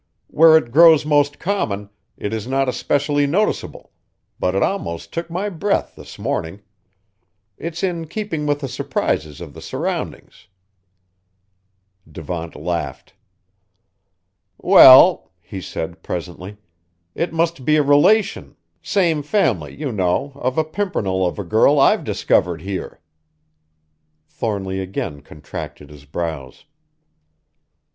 Where it grows most common, it is not especially noticeable; but it almost took my breath this morning. It's in keeping with the surprises of the surroundings." Devant laughed. "Well," he said presently, "it must be a relation, same family, you know, of a pimpernel of a girl I've discovered here." Thornly again contracted his brows.